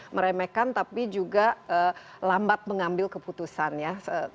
meremehkan tapi juga lambat mengambil keputusan ya